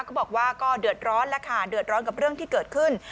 เขาบอกว่าก็เดือดร้อนแล้วค่ะเดือดร้อนกับเรื่องที่เกิดขึ้น